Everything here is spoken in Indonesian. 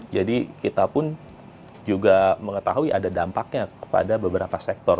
jadi kita juga mengetahui ada dampaknya pada beberapa sektor